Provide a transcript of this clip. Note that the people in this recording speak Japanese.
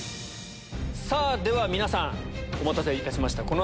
さぁでは皆さんお待たせいたしました。